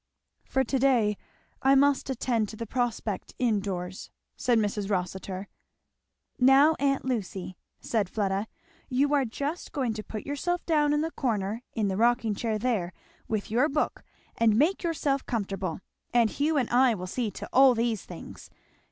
"For to day I must attend to the prospect in doors," said Mrs. Rossitur. "Now aunt Lucy," said Fleda, "you are just going to put yourself down in the corner, in the rocking chair there, with your book, and make yourself comfortable; and Hugh and I will see to all these things.